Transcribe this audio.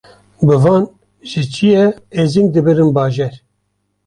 Bi van ji çiyê êzing dibirin bajêr